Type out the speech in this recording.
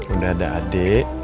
udah ada adik